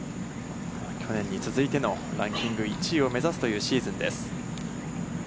去年に続いてのランキング１位を目指すというシーズンです。